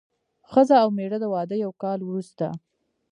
ښځه او مېړه د واده یو کال وروسته.